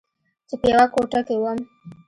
چې په يوه کوټه کښې وم.